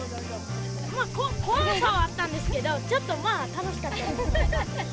怖さはあったんですけど、ちょっとまあ、楽しかったです。